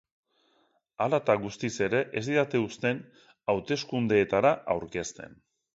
Hala eta guztiz ere, ez didate uzten hauteskundeetara aurkezten.